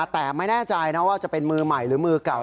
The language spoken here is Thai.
แต่ไม่แน่ใจนะว่าจะเป็นมือใหม่หรือมือเก่า